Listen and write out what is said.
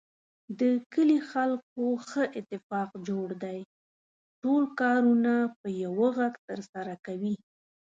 د کلي خلکو ښه اتفاق جوړ دی. ټول کارونه په یوه غږ ترسره کوي.